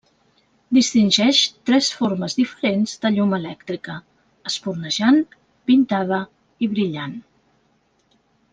Distingeix tres formes diferents de llum elèctrica: espurnejant, pintada i brillant.